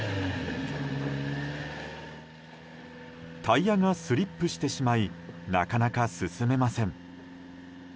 タイヤがスリップしてしまいなかなか進めません。